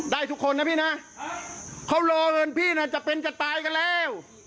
ทุกคนนะพี่นะเขารอเงินพี่น่าจะเป็นจะตายกันแล้ว